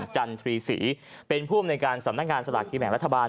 จันทรีศรีเป็นผู้อำนวยการสำนักงานสลากกินแบ่งรัฐบาล